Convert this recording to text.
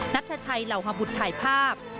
นัทชัยเหล่าฮบุตรถ่ายภาพ